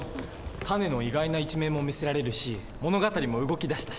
タネの意外な一面も見せられるし物語も動き出したし。